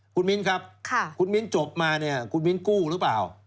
คุณมินครับคุณมินจบมาคุณมินกู้หรือเปล่า